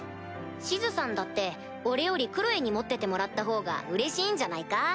シズさんだって俺よりクロエに持っててもらったほうがうれしいんじゃないか？